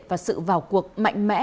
và sự vào cuộc mạnh mẽ